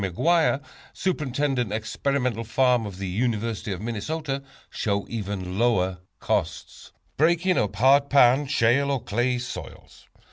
McGuire, Superintendent Experimental Farm of the University of Minnesota, show even lower costs. Breaking Up Hard Pan, Shale or Clay Soils.